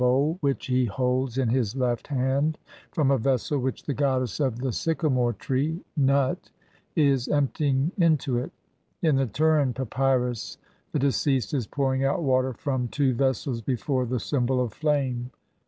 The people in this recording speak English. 1 1 1 bowl, which he holds in his left hand, from a vessel which the goddess of the sycamore tree (Nut) is emptying into it. In the Turin Papyrus (Lepsius, op.cit., Bl. 23) the deceased is pouring out water from two vessels be fore the symbol of flame.